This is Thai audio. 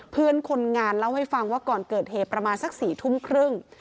เพื่อนคนงานเล่าให้ฟังว่าก่อนเกิดเหตุประมาณสัก๔ทุ่มครึ่ง